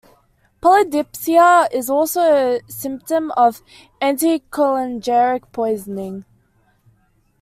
Polydipsia is also a symptom of anticholinergic poisoning.